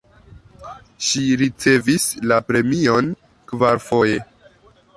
Ŝi ricevis la premion kvarfoje.